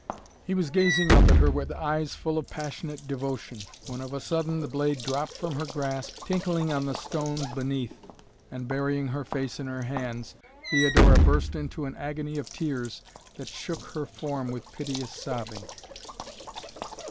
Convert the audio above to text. He was gazing up at her with eyes full of passionate devotion, when of a sudden the blade dropped from her grasp, tinkling on the stone beneath, and, burying her face in her hands, Theodora burst into an agony of tears that shook her form with piteous sobbing.